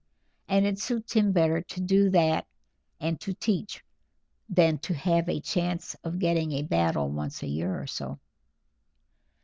and it suits him better to do that and to teach, than to have a chance of getting a battle once a year or so."